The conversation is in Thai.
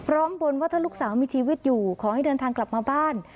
บนว่าถ้าลูกสาวมีชีวิตอยู่ขอให้เดินทางกลับมาบ้าน